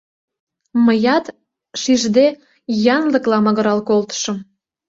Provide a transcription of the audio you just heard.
Мыят, шижде, янлыкла магырал колтышым.